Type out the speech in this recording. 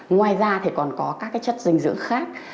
ngoài ra thì còn có các chất dinh dưỡng khác